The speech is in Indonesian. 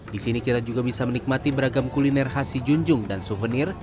di sini kita juga bisa menikmati beragam kuliner khas si junjung dan souvenir